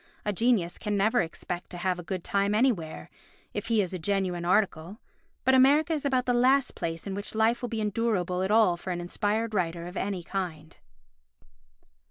A genius can never expect to have a good time anywhere, if he is a genuine article, but America is about the last place in which life will be endurable at all for an inspired writer of any kind.